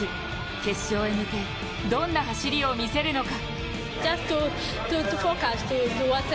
決勝へ向け、どんな走りを見せるのか。